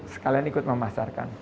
sekalian ikut memasarkan